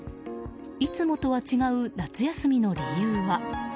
いつもとは違う夏休みの理由は。